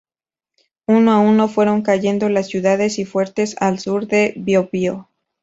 Uno a uno fueron cayendo las ciudades y fuertes al sur del Biobío.